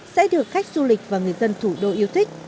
sẽ được khách du lịch và người dân thủ đô yêu thích